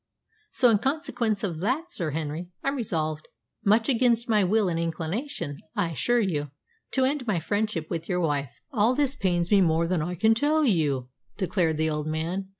So, in consequence of that, Sir Henry, I'm resolved, much against my will and inclination, I assure you, to end my friendship with your wife." "All this pains me more than I can tell you," declared the old man.